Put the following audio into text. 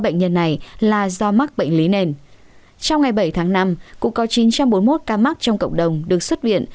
trong ngày bảy tháng năm cũng có chín trăm bốn mươi một ca mắc trong cộng đồng được xuất viện